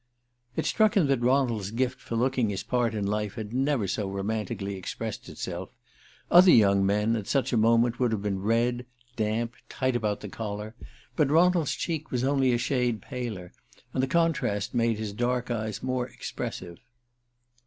It struck him that Ronald's gift for looking his part in life had never so romantically expressed itself. Other young men, at such a moment, would have been red, damp, tight about the collar; but Ronald's cheek was only a shade paler, and the contrast made his dark eyes more expressive.